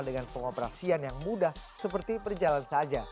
dengan pengoperasian yang mudah seperti berjalan saja